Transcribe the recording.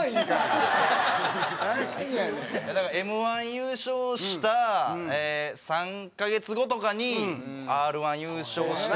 だからＭ−１優勝した３カ月後とかにＲ−１優勝して。